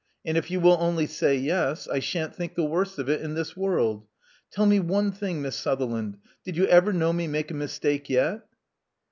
And if you will only say yes, I shan't think the worse of it in this world. Tell me one thing. Miss Sutherland, did you ever know me make a mistake yet?'